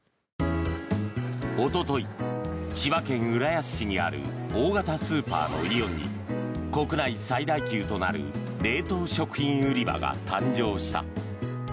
おととい、千葉県浦安市にある大型スーパーのイオンに国内最大級となる冷凍食品売り場が誕生した。